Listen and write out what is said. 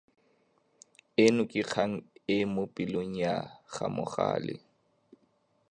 Eno ke kgang e e mo pelong ya ga Mogale.